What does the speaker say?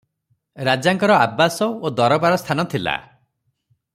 ରାଜାଙ୍କର ଆବାସ ଓ ଦରବାରସ୍ଥାନ ଥିଲା ।